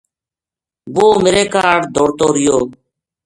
وُہ میرے کاہڈ دوڑتو رہیو